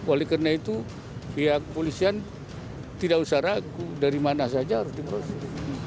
oleh karena itu pihak polisian tidak usah ragu dari mana saja harus diproses